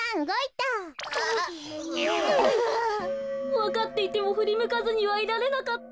わかっていてもふりむかずにはいられなかった。